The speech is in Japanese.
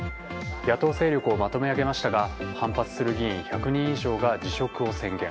野党勢力をまとめ上げましたが反発する議員１００人以上が辞職を宣言。